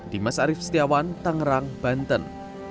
dimas arief setiawan tangerang banten